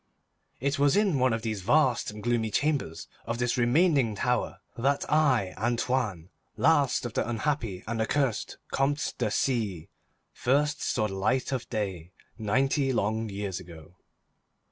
It was in one of the vast and gloomy chambers of this remaining tower that I, Antoine, last of the unhappy and accursed Comtes de C——, first saw the light of day, ninety long years ago.